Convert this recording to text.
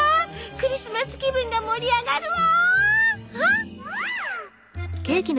クリスマス気分が盛り上がるわ。